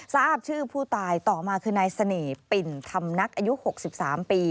ทราบชื่อผู้ตายต่อมาคือนายเสน่ห์ปิ่นธรรมนักอายุ๖๓ปี